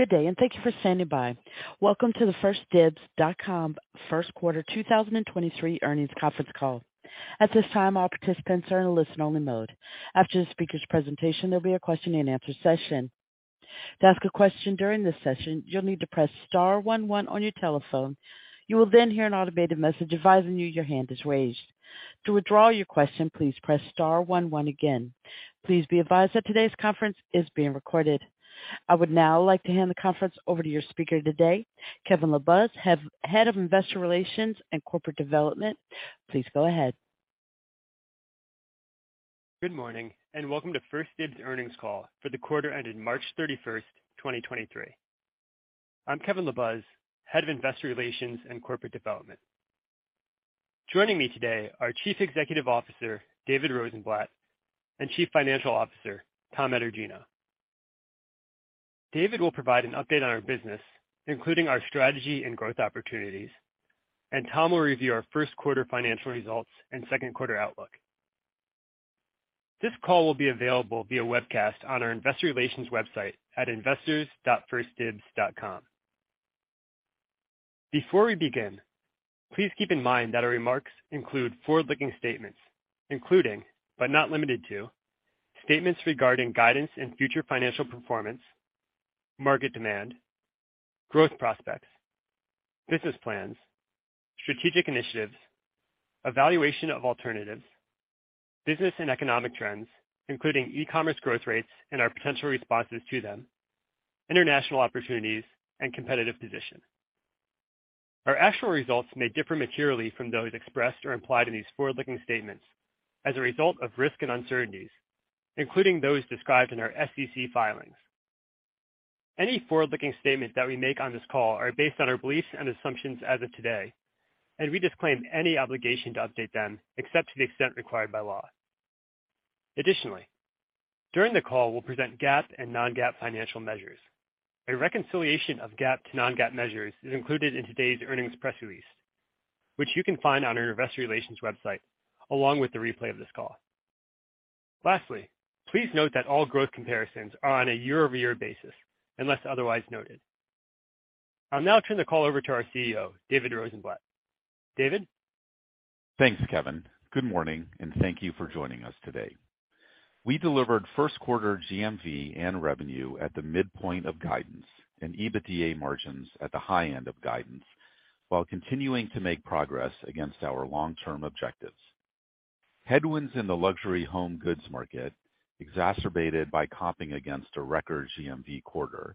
Good day, and thank you for standing by. Welcome to the 1stDibs.com 1st quarter 2023 earnings conference call. At this time, all participants are in a listen only mode. After the speaker's presentation, there'll be a question and answer session. To ask a question during this session, you'll need to press star one one on your telephone. You will then hear an automated message advising you your hand is raised. To withdraw your question, please press star one one again. Please be advised that today's conference is being recorded. I would now like to hand the conference over to your speaker today, Kevin LaBuz, Head of Investor Relations and Corporate Development. Please go ahead. Good morning, and welcome to 1stDibs earnings call for the quarter ended March 31st, 2023. I'm Kevin LaBuz, Head of Investor Relations and Corporate Development. Joining me today are Chief Executive Officer, David Rosenblatt, and Chief Financial Officer, Tom Etergino. David will provide an update on our business, including our strategy and growth opportunities, and Tom will review our first quarter financial results and second quarter outlook. This call will be available via webcast on our investor relations website at investors.1stdibs.com. Before we begin, please keep in mind that our remarks include forward-looking statements, including, but not limited to, statements regarding guidance and future financial performance, market demand, growth prospects, business plans, strategic initiatives, evaluation of alternatives, business and economic trends, including e-commerce growth rates and our potential responses to them, international opportunities, and competitive position. Our actual results may differ materially from those expressed or implied in these forward-looking statements as a result of risks and uncertainties, including those described in our SEC filings. Any forward-looking statements that we make on this call are based on our beliefs and assumptions as of today, and we disclaim any obligation to update them except to the extent required by law. Additionally, during the call, we'll present GAAP and non-GAAP financial measures. A reconciliation of GAAP to non-GAAP measures is included in today's earnings press release, which you can find on our investor relations website along with the replay of this call. Lastly, please note that all growth comparisons are on a year-over-year basis unless otherwise noted. I'll now turn the call over to our CEO, David Rosenblatt. David. Thanks, Kevin. Good morning, thank you for joining us today. We delivered first quarter GMV and revenue at the midpoint of guidance and EBITDA margins at the high end of guidance while continuing to make progress against our long-term objectives. Headwinds in the luxury home goods market, exacerbated by comping against a record GMV quarter,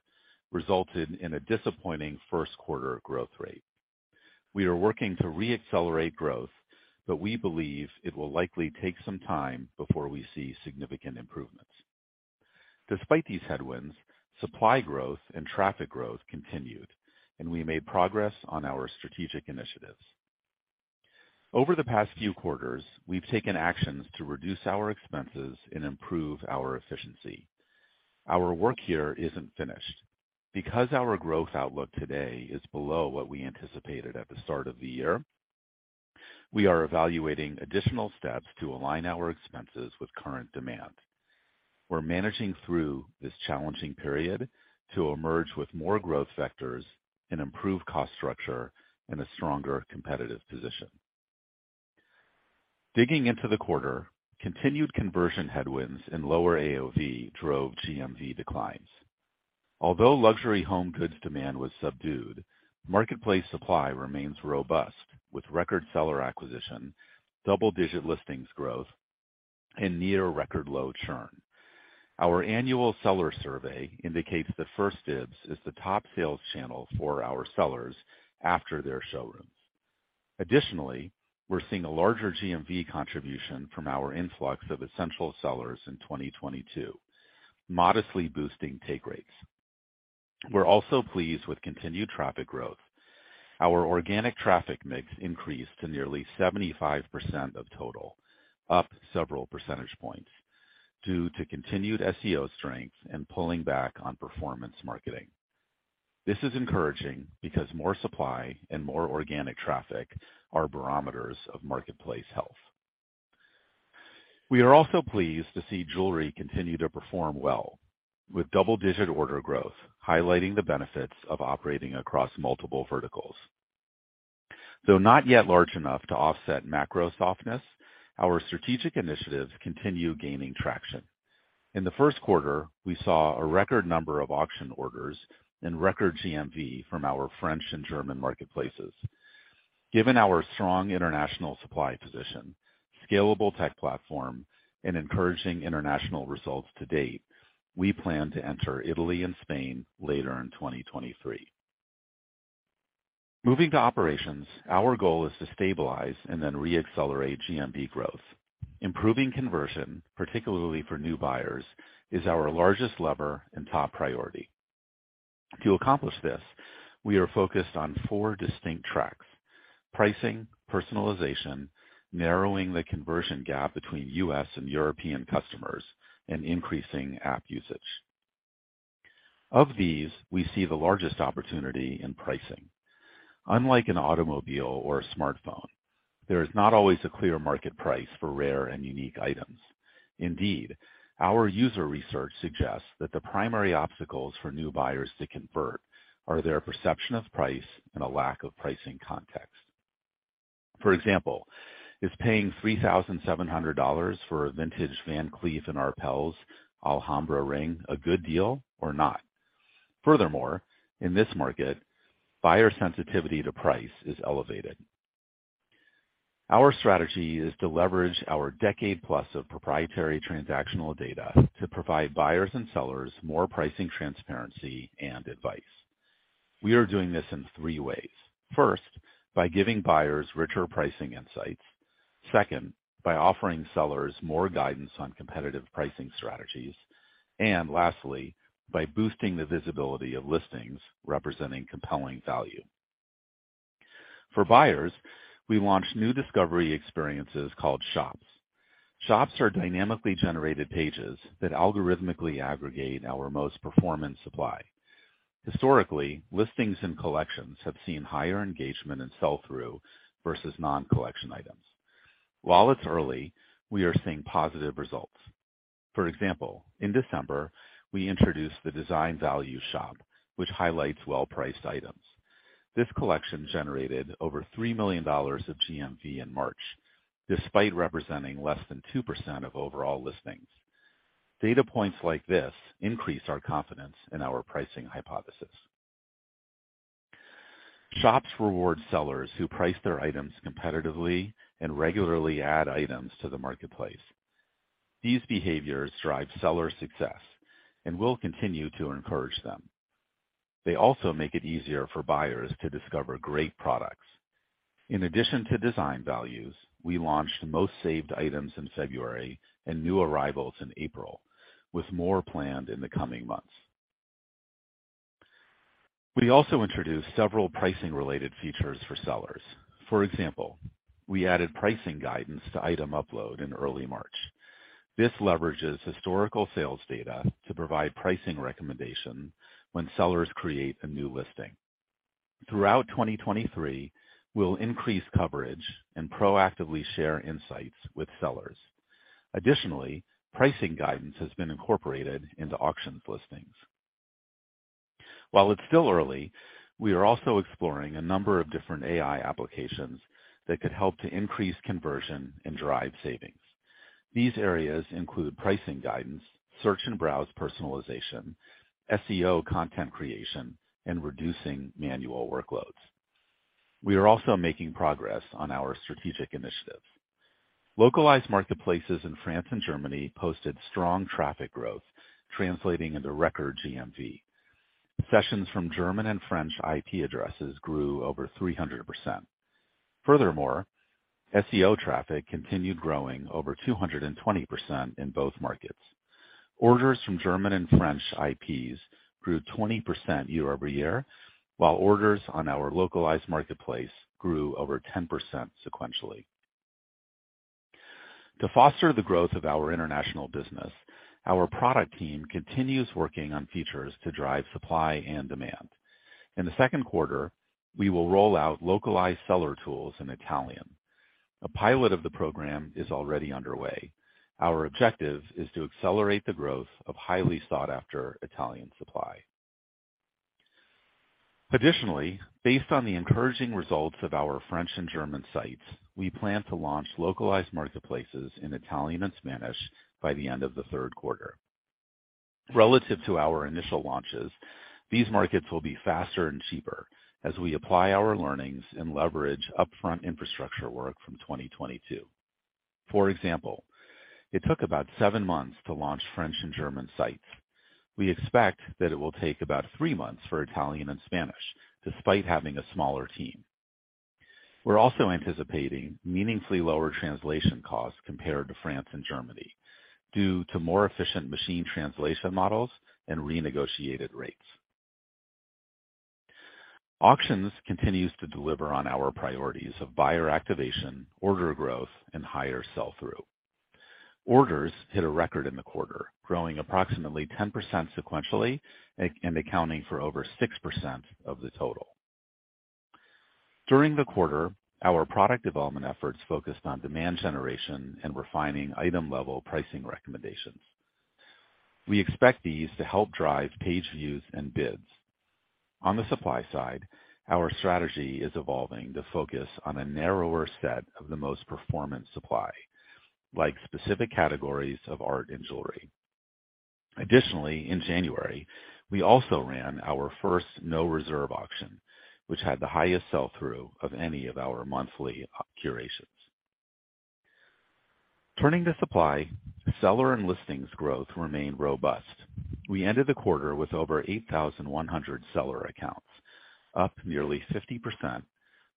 resulted in a disappointing first quarter growth rate. We are working to re-accelerate growth, we believe it will likely take some time before we see significant improvements. Despite these headwinds, supply growth and traffic growth continued, we made progress on our strategic initiatives. Over the past few quarters, we've taken actions to reduce our expenses and improve our efficiency. Our work here isn't finished. Because our growth outlook today is below what we anticipated at the start of the year, we are evaluating additional steps to align our expenses with current demand. We're managing through this challenging period to emerge with more growth vectors and improved cost structure and a stronger competitive position. Digging into the quarter, continued conversion headwinds and lower AOV drove GMV declines. Although luxury home goods demand was subdued, marketplace supply remains robust with record seller acquisition, double-digit listings growth, and near record low churn. Our annual seller survey indicates that 1stDibs is the top sales channel for our sellers after their showrooms. Additionally, we're seeing a larger GMV contribution from our influx of essential sellers in 2022, modestly boosting take rates. We're also pleased with continued traffic growth. Our organic traffic mix increased to nearly 75% of total, up several percentage points due to continued SEO strength and pulling back on performance marketing. This is encouraging because more supply and more organic traffic are barometers of marketplace health. We are also pleased to see jewelry continue to perform well, with double-digit order growth, highlighting the benefits of operating across multiple verticals. Though not yet large enough to offset macro softness, our strategic initiatives continue gaining traction. In the first quarter, we saw a record number of auction orders and record GMV from our French and German marketplaces. Given our strong international supply position, scalable tech platform, and encouraging international results to date, we plan to enter Italy and Spain later in 2023. Moving to operations, our goal is to stabilize and then re-accelerate GMV growth. Improving conversion, particularly for new buyers, is our largest lever and top priority. To accomplish this, we are focused on four distinct tracks: pricing, personalization, narrowing the conversion gap between U.S. and European customers, and increasing app usage. Of these, we see the largest opportunity in pricing. Unlike an automobile or a smartphone, there is not always a clear market price for rare and unique items. Indeed, our user research suggests that the primary obstacles for new buyers to convert are their perception of price and a lack of pricing context. For example, is paying $3,700 for a vintage Van Cleef & Arpels Alhambra ring a good deal or not? Furthermore, in this market, buyer sensitivity to price is elevated. Our strategy is to leverage our decade plus of proprietary transactional data to provide buyers and sellers more pricing transparency and advice. We are doing this in three ways. First, by giving buyers richer pricing insights. Second, by offering sellers more guidance on competitive pricing strategies. Lastly, by boosting the visibility of listings representing compelling value. For buyers, we launched new discovery experiences called Shops. Shops are dynamically generated pages that algorithmically aggregate our most performance supply. Historically, listings and collections have seen higher engagement and sell-through versus non-collection items. While it's early, we are seeing positive results. For example, in December, we introduced the Design Value Shop, which highlights well-priced items. This collection generated over $3 million of GMV in March, despite representing less than 2% of overall listings. Data points like this increase our confidence in our pricing hypothesis. Shops reward sellers who price their items competitively and regularly add items to the marketplace. These behaviors drive seller success and we'll continue to encourage them. They also make it easier for buyers to discover great products. In addition to Design Values, we launched most saved items in February and new arrivals in April, with more planned in the coming months. We also introduced several pricing-related features for sellers. For example, we added pricing guidance to item upload in early March. This leverages historical sales data to provide pricing recommendation when sellers create a new listing. Throughout 2023, we'll increase coverage and proactively share insights with sellers. Pricing guidance has been incorporated into auctions listings. While it's still early, we are also exploring a number of different AI applications that could help to increase conversion and drive savings. These areas include pricing guidance, search and browse personalization, SEO content creation, and reducing manual workloads. We are also making progress on our strategic initiatives. Localized marketplaces in France and Germany posted strong traffic growth, translating into record GMV. Sessions from German and French IP addresses grew over 300%. SEO traffic continued growing over 220% in both markets. Orders from German and French IPs grew 20% year-over-year, while orders on our localized marketplace grew over 10% sequentially. To foster the growth of our international business, our product team continues working on features to drive supply and demand. In the second quarter, we will roll out localized seller tools in Italian. A pilot of the program is already underway. Our objective is to accelerate the growth of highly sought after Italian supply. Based on the encouraging results of our French and German sites, we plan to launch localized marketplaces in Italian and Spanish by the end of the third quarter. Relative to our initial launches, these markets will be faster and cheaper as we apply our learnings and leverage upfront infrastructure work from 2022. For example, it took about seven months to launch French and German sites. We expect that it will take about three months for Italian and Spanish, despite having a smaller team. We're also anticipating meaningfully lower translation costs compared to France and Germany due to more efficient machine translation models and renegotiated rates. Auctions continues to deliver on our priorities of buyer activation, order growth, and higher sell-through. Orders hit a record in the quarter, growing approximately 10% sequentially and accounting for over 6% of the total. During the quarter, our product development efforts focused on demand generation and refining item-level pricing recommendations. We expect these to help drive page views and bids. On the supply side, our strategy is evolving to focus on a narrower set of the most performance supply, like specific categories of art and jewelry. Additionally, in January, we also ran our first no reserve auction, which had the highest sell-through of any of our monthly curations. Turning to supply, seller and listings growth remained robust. We ended the quarter with over 8,100 seller accounts, up nearly 50%,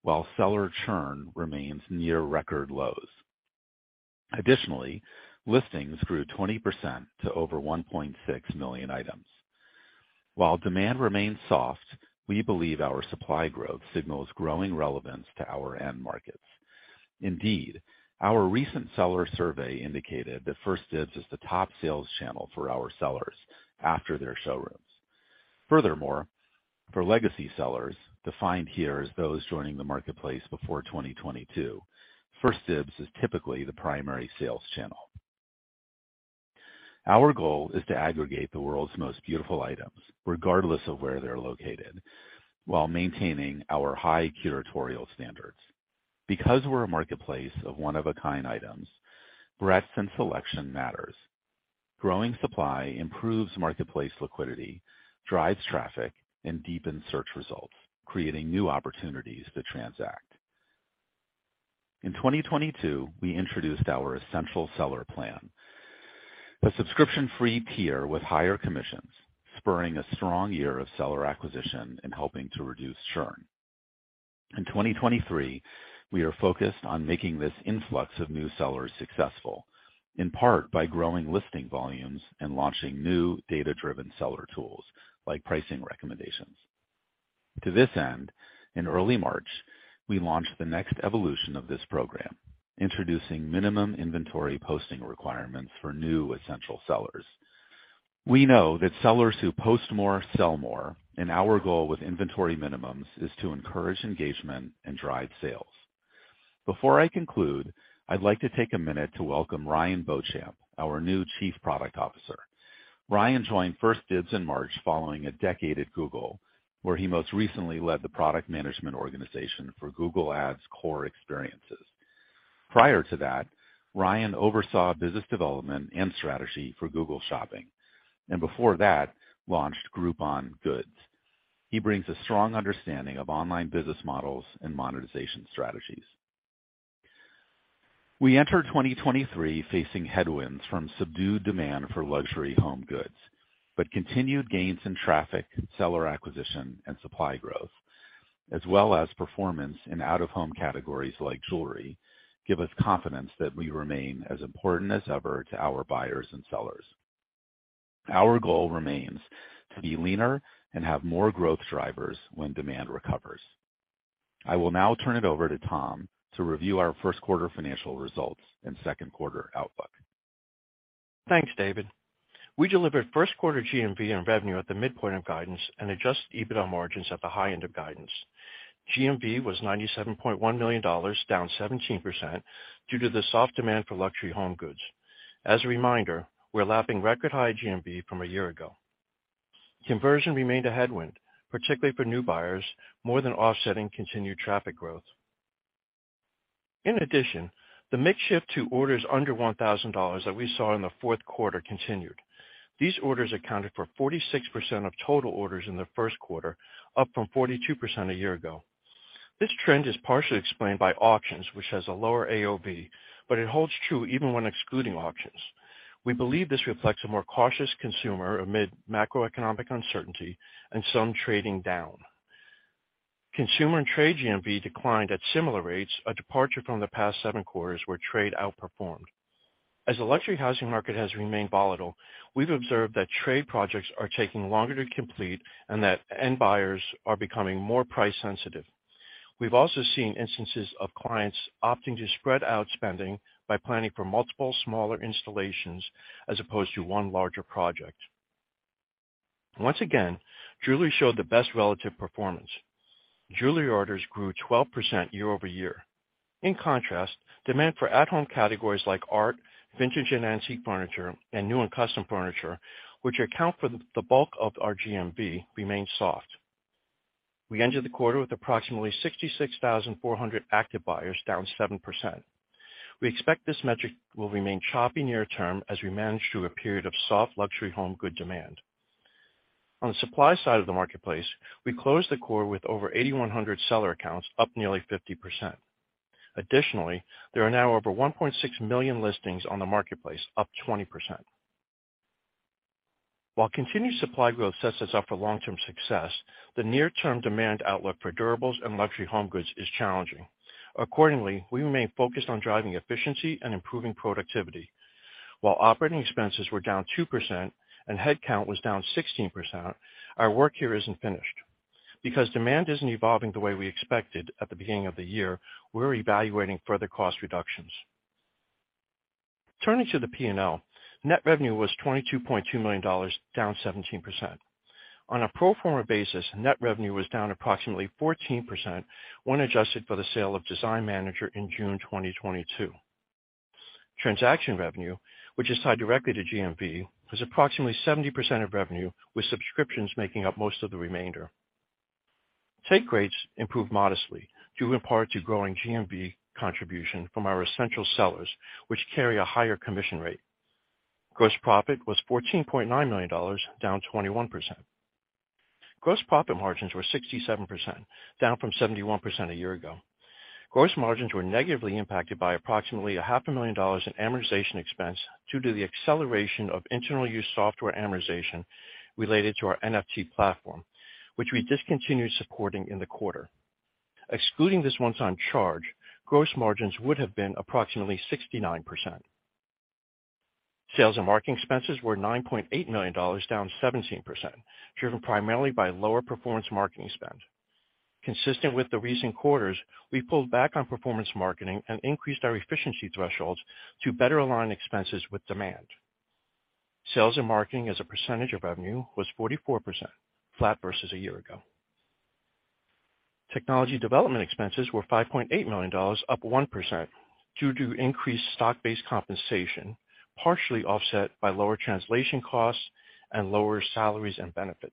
while seller churn remains near record lows. Listings grew 20% to over 1.6 million items. While demand remains soft, we believe our supply growth signals growing relevance to our end markets. Indeed, our recent seller survey indicated that 1stDibs is the top sales channel for our sellers after their showrooms. For legacy sellers, defined here as those joining the marketplace before 2022, 1stDibs is typically the primary sales channel. Our goal is to aggregate the world's most beautiful items, regardless of where they're located, while maintaining our high curatorial standards. Because we're a marketplace of one-of-a-kind items, breadth and selection matters. Growing supply improves marketplace liquidity, drives traffic, and deepens search results, creating new opportunities to transact. In 2022, we introduced our Essential Seller Program, a subscription-free tier with higher commissions, spurring a strong year of seller acquisition and helping to reduce churn. In 2023, we are focused on making this influx of new sellers successful, in part by growing listing volumes and launching new data-driven seller tools like pricing recommendations. To this end, in early March, we launched the next evolution of this program, introducing minimum inventory posting requirements for new essential sellers. We know that sellers who post more, sell more. Our goal with inventory minimums is to encourage engagement and drive sales. Before I conclude, I'd like to take a minute to welcome Ryan Beauchamp, our new Chief Product Officer. Ryan joined 1stDibs in March following a decade at Google, where he most recently led the product management organization for Google Ads core experiences. Prior to that, Ryan oversaw business development and strategy for Google Shopping, and before that, launched Groupon Goods. He brings a strong understanding of online business models and monetization strategies. We enter 2023 facing headwinds from subdued demand for luxury home goods, but continued gains in traffic, seller acquisition, and supply growth, as well as performance in out-of-home categories like jewelry, give us confidence that we remain as important as ever to our buyers and sellers. Our goal remains to be leaner and have more growth drivers when demand recovers. I will now turn it over to Tom to review our first quarter financial results and second quarter outlook. Thanks, David. We delivered first quarter GMV and revenue at the midpoint of guidance and adjusted EBITDA margins at the high end of guidance. GMV was $97.1 million, down 17% due to the soft demand for luxury home goods. As a reminder, we're lapping record high GMV from a year ago. Conversion remained a headwind, particularly for new buyers, more than offsetting continued traffic growth. In addition, the mix shift to orders under $1,000 that we saw in the fourth quarter continued. These orders accounted for 46% of total orders in the first quarter, up from 42% a year ago. This trend is partially explained by auctions, which has a lower AOV, but it holds true even when excluding auctions. We believe this reflects a more cautious consumer amid macroeconomic uncertainty and some trading down. Consumer and trade GMV declined at similar rates, a departure from the past seven quarters where trade outperformed. As the luxury housing market has remained volatile, we've observed that trade projects are taking longer to complete and that end buyers are becoming more price sensitive. We've also seen instances of clients opting to spread out spending by planning for multiple smaller installations as opposed to one larger project. Once again, jewelry showed the best relative performance. Jewelry orders grew 12% year-over-year. In contrast, demand for at-home categories like art, vintage and antique furniture, and new and custom furniture, which account for the bulk of our GMV, remained soft. We ended the quarter with approximately 66,400 active buyers, down 7%. We expect this metric will remain choppy near term as we manage through a period of soft luxury home good demand. On the supply side of the marketplace, we closed the quarter with over 8,100 seller accounts, up nearly 50%. There are now over 1.6 million listings on the marketplace, up 20%. While continued supply growth sets us up for long-term success, the near-term demand outlook for durables and luxury home goods is challenging. Accordingly, we remain focused on driving efficiency and improving productivity. While operating expenses were down 2% and headcount was down 16%, our work here isn't finished. Demand isn't evolving the way we expected at the beginning of the year, we're evaluating further cost reductions. Turning to the P&L, net revenue was $22.2 million, down 17%. On a pro forma basis, net revenue was down approximately 14% when adjusted for the sale of Design Manager in June 2022. Transaction revenue, which is tied directly to GMV, was approximately 70% of revenue, with subscriptions making up most of the remainder. Take rates improved modestly, due in part to growing GMV contribution from our essential sellers, which carry a higher commission rate. Gross profit was $14.9 million, down 21%. Gross profit margins were 67%, down from 71% a year ago. Gross margins were negatively impacted by approximately a half a million dollars in amortization expense due to the acceleration of internal use software amortization related to our NFT platform, which we discontinued supporting in the quarter. Excluding this one-time charge, gross margins would have been approximately 69%. Sales and marketing expenses were $9.8 million, down 17%, driven primarily by lower performance marketing spend. Consistent with the recent quarters, we pulled back on performance marketing and increased our efficiency thresholds to better align expenses with demand. Sales and marketing as a percentage of revenue was 44%, flat versus a year-ago. Technology development expenses were $5.8 million, up 1% due to increased stock-based compensation, partially offset by lower translation costs and lower salaries and benefits.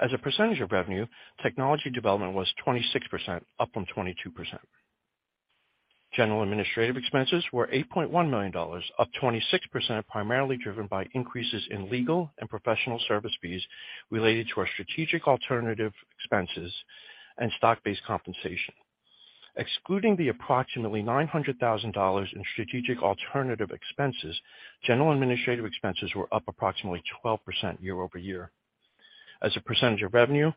As a percentage of revenue, technology development was 26%, up from 22%. General administrative expenses were $8.1 million, up 26%, primarily driven by increases in legal and professional service fees related to our strategic alternative expenses and stock-based compensation. Excluding the approximately $900,000 in strategic alternative expenses, general administrative expenses were up approximately 12% year-over-year. As a percentage of revenue,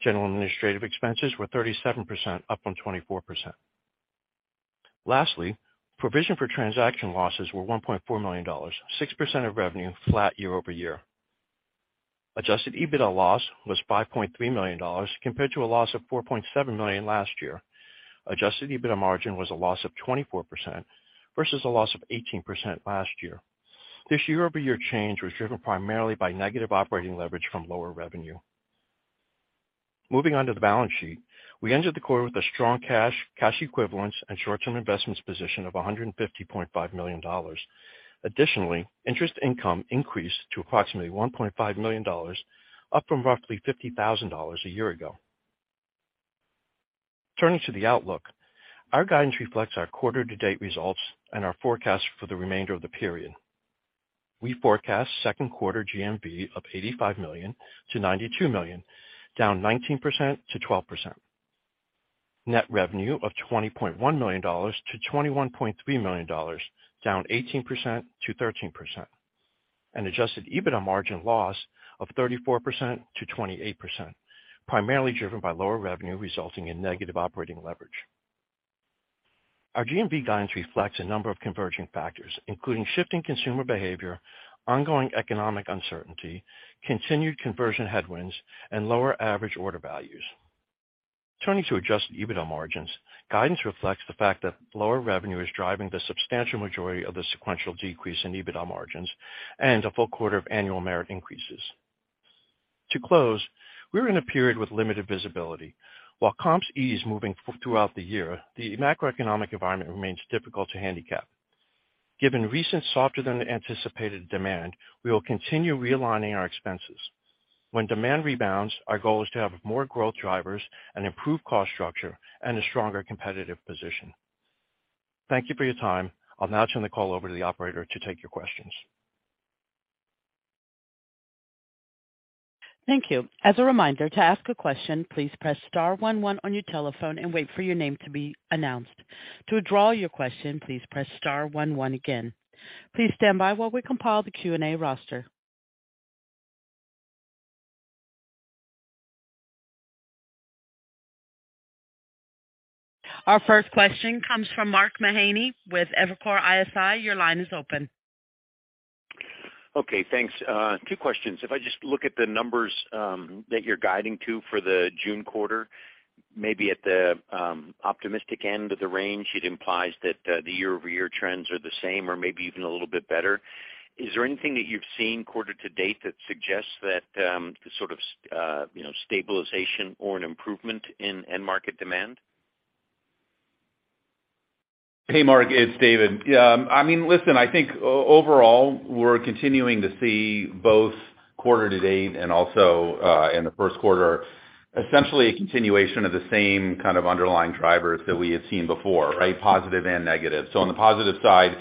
general and administrative expenses were 37%, up from 24%. Lastly, provision for transaction losses were $1.4 million, 6% of revenue flat year-over-year. Adjusted EBITDA loss was $5.3 million compared to a loss of $4.7 million last year. Adjusted EBITDA margin was a loss of 24% versus a loss of 18% last year. This year-over-year change was driven primarily by negative operating leverage from lower revenue. Moving on to the balance sheet. We entered the quarter with a strong cash equivalents, and short-term investments position of $150.5 million. Additionally, interest income increased to approximately $1.5 million, up from roughly $50,000 a year ago. Turning to the outlook. Our guidance reflects our quarter to date results and our forecast for the remainder of the period. We forecast second quarter GMV of $85 million-$92 million, down 19%-12%. Net revenue of $20.1 million-$21.3 million, down 18%-13%. Adjusted EBITDA margin loss of 34%-28%, primarily driven by lower revenue resulting in negative operating leverage. Our GMV guidance reflects a number of converging factors, including shifting consumer behavior, ongoing economic uncertainty, continued conversion headwinds, and lower average order values. Turning to adjusted EBITDA margins. Guidance reflects the fact that lower revenue is driving the substantial majority of the sequential decrease in EBITDA margins and a full quarter of annual merit increases. To close, we're in a period with limited visibility. While comps ease moving throughout the year, the macroeconomic environment remains difficult to handicap. Given recent softer than anticipated demand, we will continue realigning our expenses. When demand rebounds, our goal is to have more growth drivers, an improved cost structure, and a stronger competitive position. Thank you for your time. I'll now turn the call over to the operator to take your questions. Thank you. As a reminder, to ask a question, please press star one one on your telephone and wait for your name to be announced. To withdraw your question, please press star one one again. Please stand by while we compile the Q&A roster. Our first question comes from Mark Mahaney with Evercore ISI. Your line is open. Okay, thanks. Two questions. If I just look at the numbers that you're guiding to for the June quarter, maybe at the optimistic end of the range, it implies that the year-over-year trends are the same or maybe even a little bit better. Is there anything that you've seen quarter to date that suggests that the sort of you know, stabilization or an improvement in end market demand? Hey, Mark, it's David. Yeah. I mean, listen, I think overall, we're continuing to see both quarter to date and also, in the first quarter, essentially a continuation of the same kind of underlying drivers that we had seen before, right? Positive and negative. On the positive side,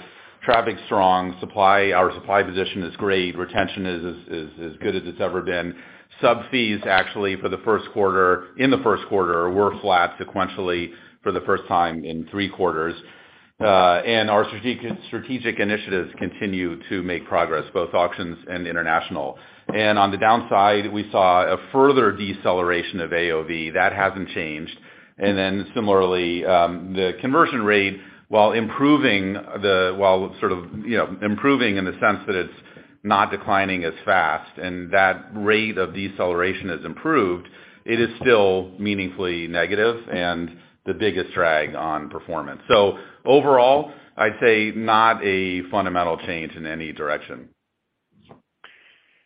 traffic's strong. Our supply position is great. Retention is as good as it's ever been. Sub fees actually for the first quarter, in the first quarter, were flat sequentially for the first time in 3 quarters. Our strategic initiatives continue to make progress, both auctions and international. On the downside, we saw a further deceleration of AOV. That hasn't changed. Similarly, the conversion rate, while improving, while sort of, you know, improving in the sense that it's not declining as fast and that rate of deceleration has improved, it is still meaningfully negative and the biggest drag on performance. Overall, I'd say not a fundamental change in any direction.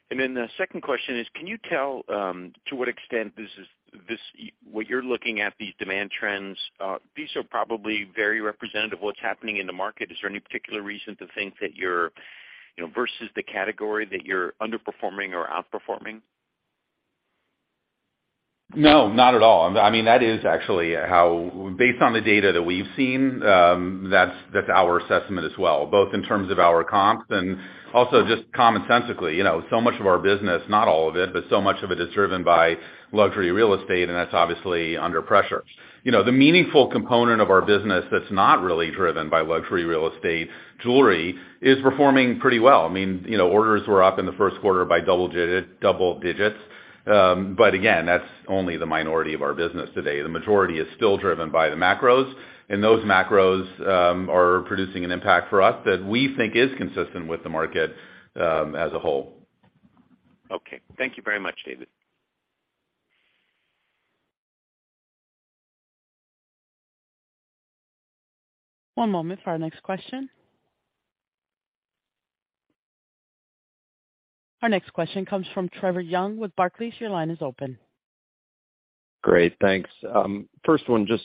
The second question is, can you tell to what extent this is what you're looking at, these demand trends, these are probably very representative of what's happening in the market. Is there any particular reason to think that you're, you know, versus the category that you're underperforming or outperforming? No, not at all. I mean, that is actually how Based on the data that we've seen, that's our assessment as well, both in terms of our comps and also just commonsensically. You know, so much of our business, not all of it, but so much of it is driven by luxury real estate, and that's obviously under pressure. You know, the meaningful component of our business that's not really driven by luxury real estate, jewelry, is performing pretty well. I mean, you know, orders were up in the first quarter by double digits. Again, that's only the minority of our business today. The majority is still driven by the macros, and those macros are producing an impact for us that we think is consistent with the market as a whole. Okay. Thank you very much, David. One moment for our next question. Our next question comes from Trevor Young with Barclays. Your line is open. Great. Thanks. First one, just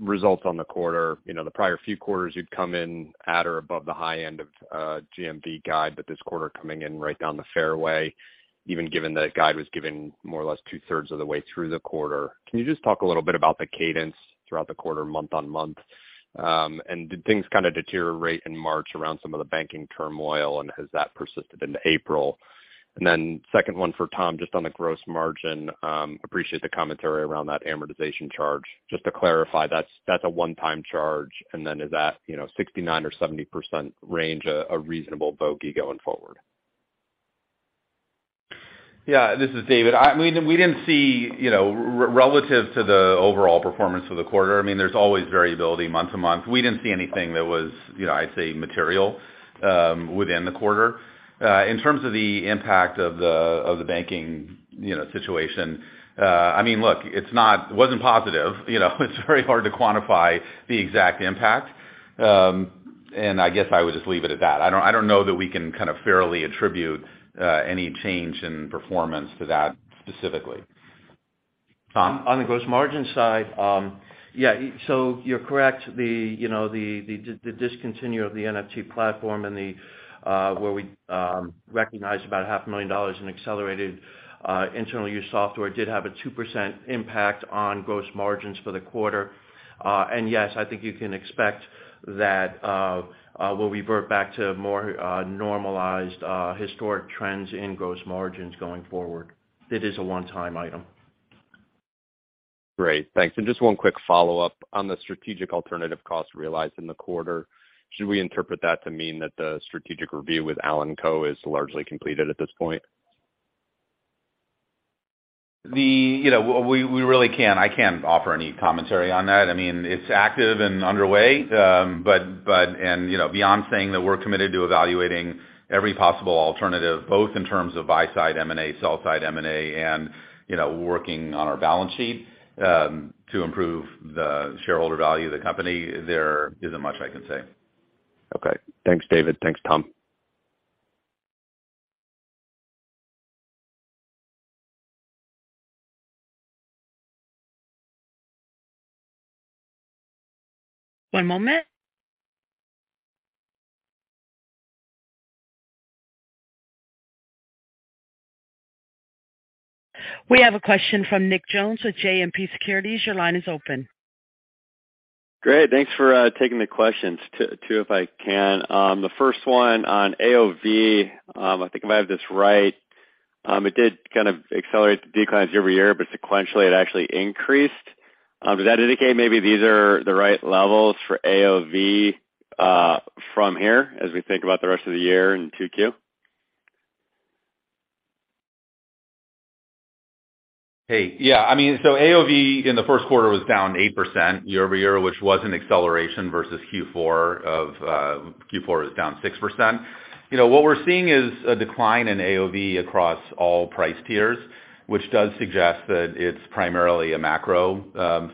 results on the quarter. You know, the prior few quarters you'd come in at or above the high end of GMV guide, this quarter coming in right down the fairway, even given that guide was given more or less two-thirds of the way through the quarter. Can you just talk a little bit about the cadence throughout the quarter, month-on-month? Did things kind of deteriorate in March around some of the banking turmoil, and has that persisted into April? Second one for Tom, just on the gross margin, appreciate the commentary around that amortization charge. Just to clarify, that's a one-time charge, is that, you know, 69% or 70% range a reasonable bogey going forward? Yeah, this is David. I mean, we didn't see, you know, relative to the overall performance of the quarter, I mean, there's always variability month-to-month. We didn't see anything that was, you know, I'd say material within the quarter. In terms of the impact of the, of the banking, you know, situation, I mean, look, it wasn't positive, you know? It's very hard to quantify the exact impact. I guess I would just leave it at that. I don't know that we can kind of fairly attribute any change in performance to that specifically. Tom? On the gross margin side, yeah, you're correct. The, you know, the discontinue of the NFT platform and the where we recognized about half a million dollars in accelerated internal use software did have a 2% impact on gross margins for the quarter. Yes, I think you can expect that we'll revert back to more normalized historic trends in gross margins going forward. It is a one-time item. Great. Thanks. Just one quick follow-up on the strategic alternative cost realized in the quarter. Should we interpret that to mean that the strategic review with Allen & Co. is largely completed at this point? The, you know, we really can't. I can't offer any commentary on that. I mean, it's active and underway. But, you know, beyond saying that we're committed to evaluating every possible alternative, both in terms of buy side M&A, sell side M&A, and, you know, working on our balance sheet, to improve the shareholder value of the company, there isn't much I can say. Okay. Thanks, David. Thanks, Tom. One moment. We have a question from Nick Jones with JMP Securities. Your line is open. Great. Thanks for taking the questions. Two if I can. The first one on AOV, I think if I have this right, it did kind of accelerate the declines year-over-year, but sequentially it actually increased. Does that indicate maybe these are the right levels for AOV from here as we think about the rest of the year in 2Q? Hey, yeah. I mean, AOV in the first quarter was down 8% year-over-year, which was an acceleration versus Q4. Q4 was down 6%. You know, what we're seeing is a decline in AOV across all price tiers, which does suggest that it's primarily a macro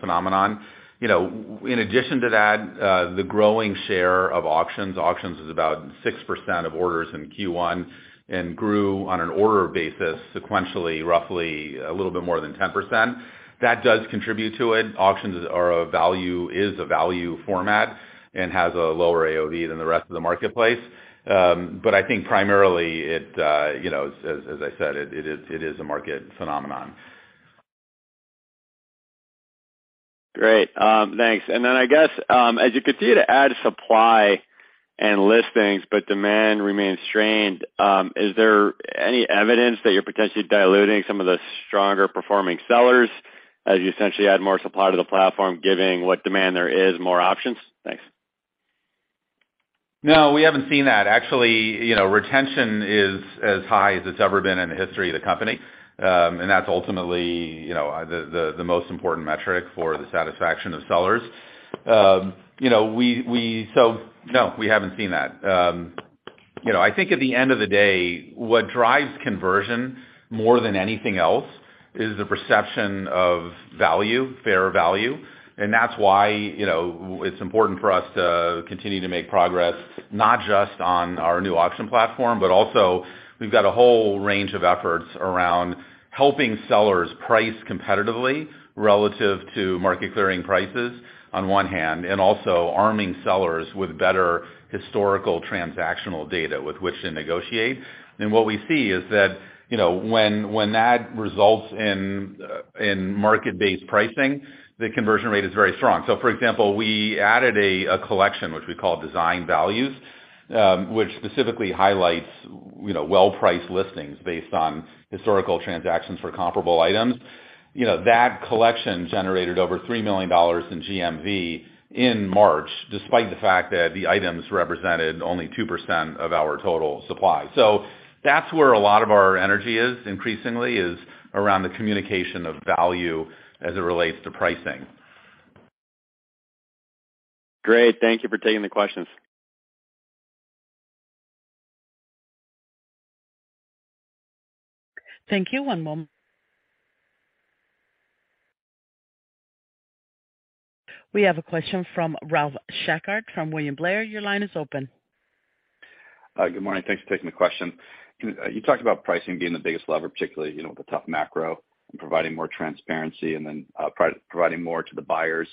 phenomenon. You know, in addition to that, the growing share of auctions. Auctions is about 6% of orders in Q1 and grew on an order basis sequentially, roughly a little bit more than 10%. That does contribute to it. Auctions are a value, is a value format and has a lower AOV than the rest of the marketplace. I think primarily it, you know, as I said, it is, it is a market phenomenon. Great. Thanks. Then I guess, as you continue to add supply and listings, but demand remains strained, is there any evidence that you're potentially diluting some of the stronger performing sellers as you essentially add more supply to the platform, giving what demand there is more options? Thanks. No, we haven't seen that. Actually, you know, retention is as high as it's ever been in the history of the company. That's ultimately, you know, the, the most important metric for the satisfaction of sellers. You know, so no, we haven't seen that. You know, I think at the end of the day, what drives conversion more than anything else is the perception of value, fair value. That's why, you know, it's important for us to continue to make progress, not just on our new auction platform, but also we've got a whole range of efforts around helping sellers price competitively relative to market clearing prices on one hand, and also arming sellers with better historical transactional data with which to negotiate. What we see is that, you know, when that results in market-based pricing, the conversion rate is very strong. For example, we added a collection which we call Design Values, which specifically highlights, you know, well-priced listings based on historical transactions for comparable items. You know, that collection generated over $3 million in GMV in March, despite the fact that the items represented only 2% of our total supply. That's where a lot of our energy is increasingly, is around the communication of value as it relates to pricing. Great. Thank you for taking the questions. Thank you. One moment. We have a question from Ralph Schackart from William Blair. Your line is open. Good morning. Thanks for taking the question. You talked about pricing being the biggest lever, particularly, you know, with the tough macro and providing more transparency and then providing more to the buyers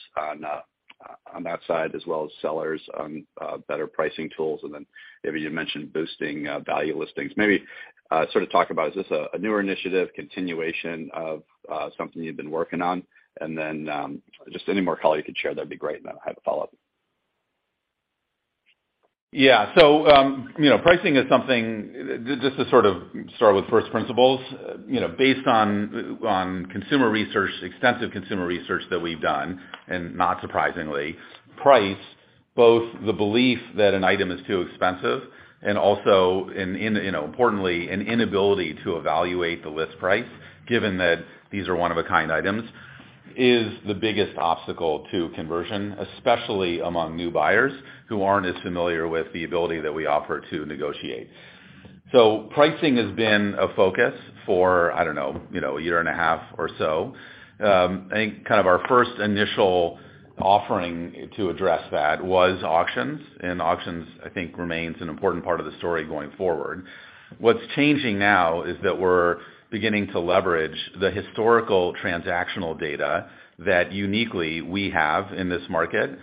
on that side, as well as sellers on better pricing tools, and then maybe you mentioned boosting value listings. Maybe sort of talk about is this a newer initiative, continuation of something you've been working on? Just any more color you could share, that'd be great. I have a follow-up. Yeah. you know, pricing is something. Just to sort of start with first principles, you know, based on consumer research, extensive consumer research that we've done, and not surprisingly, price, both the belief that an item is too expensive and also importantly, an inability to evaluate the list price, given that these are one-of-a-kind items, is the biggest obstacle to conversion, especially among new buyers who aren't as familiar with the ability that we offer to negotiate. Pricing has been a focus for, I don't know, you know, a year and a half or so. I think kind of our first initial offering to address that was auctions. Auctions, I think, remains an important part of the story going forward. What's changing now is that we're beginning to leverage the historical transactional data that uniquely we have in this market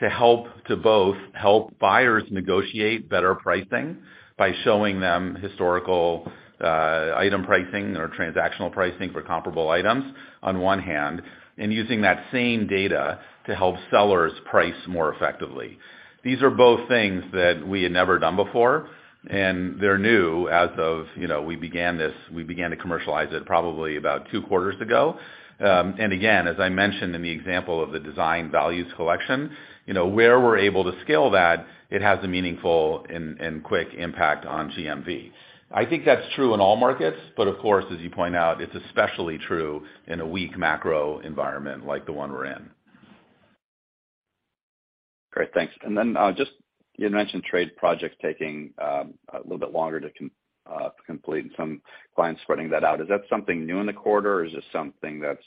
to help to both help buyers negotiate better pricing by showing them historical, item pricing or transactional pricing for comparable items on one hand, and using that same data to help sellers price more effectively. These are both things that we had never done before, and they're new as of, you know, we began this, we began to commercialize it probably about two quarters ago. Again, as I mentioned in the example of the Design Values collection, you know, where we're able to scale that, it has a meaningful and quick impact on GMV. I think that's true in all markets, but of course, as you point out, it's especially true in a weak macro environment like the one we're in. Great. Thanks. Then, just you had mentioned trade projects taking a little bit longer to complete and some clients spreading that out. Is that something new in the quarter, or is this something that's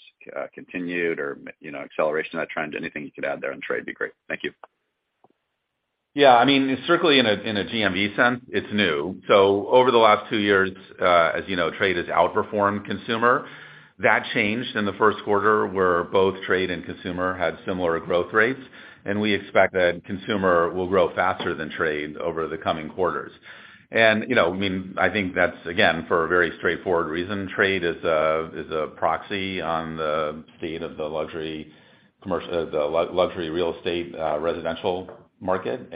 continued or, you know, acceleration of that trend? Anything you could add there on trade would be great. Thank you. Yeah. I mean, certainly in a, in a GMV sense, it's new. Over the last two years, as you know, trade has outperformed consumer. That changed in the 1st quarter, where both trade and consumer had similar growth rates. We expect that consumer will grow faster than trade over the coming quarters. You know, I mean, I think that's again, for a very straightforward reason. Trade is a proxy on the state of the luxury real estate, residential market.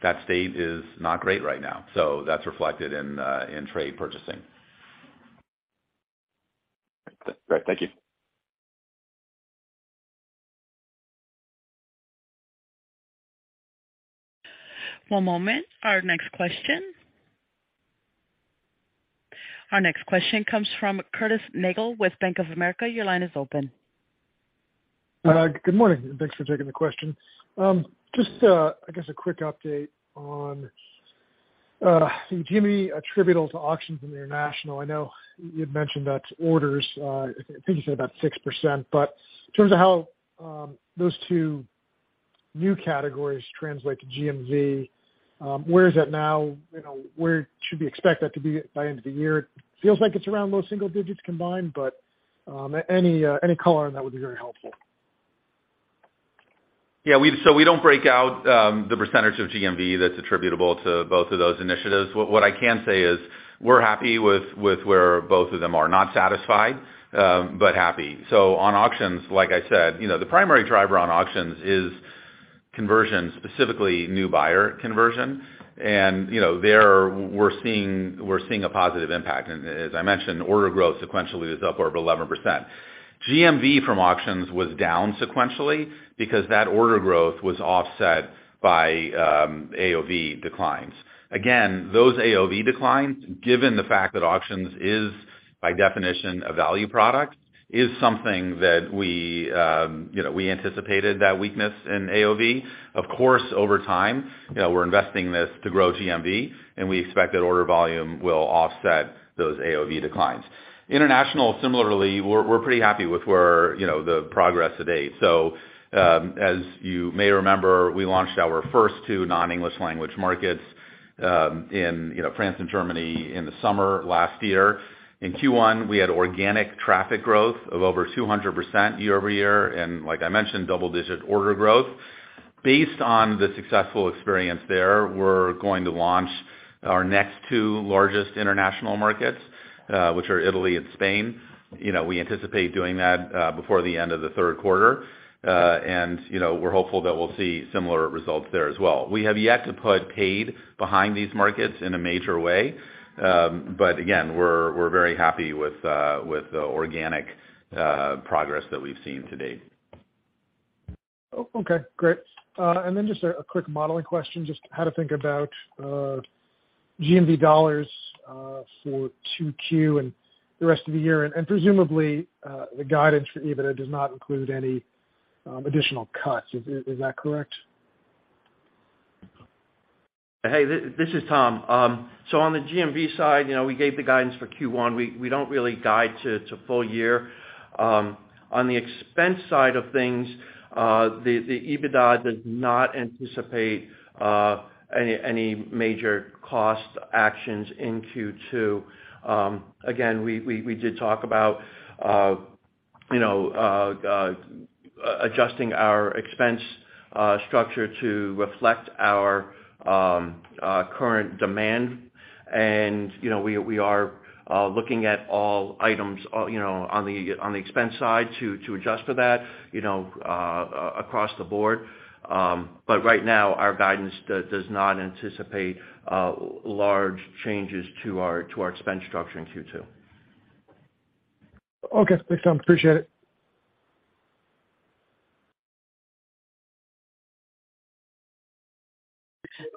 That state is not great right now. That's reflected in trade purchasing. Great. Thank you. One moment. Our next question comes from Curtis Nagle with Bank of America. Your line is open. Good morning, thanks for taking the question. Just, I guess a quick update on the GMV attributable to auctions in international. I know you'd mentioned that's orders, I think you said about 6%. In terms of how those two new categories translate to GMV, where is that now? You know, where should we expect that to be by end of the year? It feels like it's around low single digits combined, any color on that would be very helpful. So we don't break out the percentage of GMV that's attributable to both of those initiatives. What I can say is we're happy with where both of them are. Not satisfied, but happy. On auctions, like I said, you know, the primary driver on auctions is conversion, specifically new buyer conversion. You know, there we're seeing a positive impact. As I mentioned, order growth sequentially is up over 11%. GMV from auctions was down sequentially because that order growth was offset by AOV declines. Again, those AOV declines, given the fact that auctions is by definition a value product, is something that we, you know, we anticipated that weakness in AOV. Of course, over time, you know, we're investing this to grow GMV, and we expect that order volume will offset those AOV declines. International similarly, we're pretty happy with where, you know, the progress to date. As you may remember, we launched our first two non-English language markets in, you know, France and Germany in the summer last year. In Q1, we had organic traffic growth of over 200% year-over-year, and like I mentioned, double digit order growth. Based on the successful experience there, we're going to launch our next two largest international markets, which are Italy and Spain. You know, we anticipate doing that before the end of the third quarter. You know, we're hopeful that we'll see similar results there as well. We have yet to put paid behind these markets in a major way. Again, we're very happy with the organic progress that we've seen to date. Okay, great. Then just a quick modeling question, just how to think about GMV dollars for 2Q and the rest of the year. Presumably, the guidance for EBITDA does not include any additional cuts. Is that correct? Hey, this is Tom. On the GMV side, you know, we gave the guidance for Q1. We don't really guide to full year. On the expense side of things, the EBITDA does not anticipate any major cost actions in Q2. Again, we did talk about, you know, adjusting our expense structure to reflect our current demand. You know, we are looking at all items, you know, on the expense side to adjust for that, you know, across the board. Right now, our guidance does not anticipate large changes to our expense structure in Q2. Okay. Thanks, Tom. Appreciate it.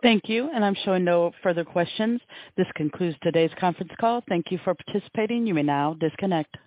Thank you. I'm showing no further questions. This concludes today's conference call. Thank you for participating. You may now disconnect.